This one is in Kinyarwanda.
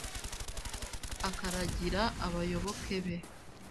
akaragira abayoboke be